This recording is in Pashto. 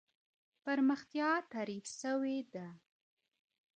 پرمختيا تعريف سوې ده.